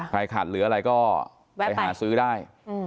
ใครขัดหรืออะไรก็ไปหาซื้อได้